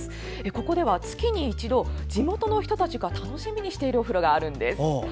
ここでは、月に一度地元の人たちが楽しみにしているお風呂があるんです。